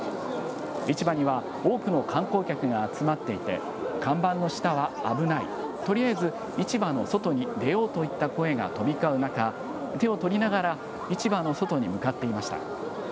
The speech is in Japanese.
市場には、多くの観光客が集まっていて、看板の下は危ない、とりあえず市場の外に出ようといった声が飛び交う中、手を取りながら市場の外に向かっていました。